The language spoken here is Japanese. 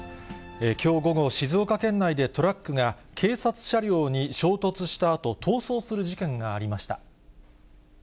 きょう午後、静岡県内でトラックが警察車両に衝突したあと、逃走する事件がありました。